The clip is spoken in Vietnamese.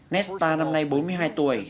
nesta năm nay bốn mươi hai tuổi